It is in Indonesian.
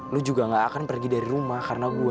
lu juga gak akan pergi dari rumah karena gue